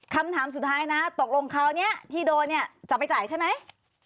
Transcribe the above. คำถามสุดท้ายนะตกลงคราวนี้ที่โดนเนี่ยจะไปจ่ายใช่ไหม